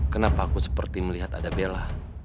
kenapa aku seperti melihat ada bella